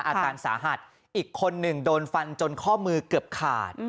อาการสาหัสอีกคนหนึ่งโดนฟันจนข้อมือเกือบขาด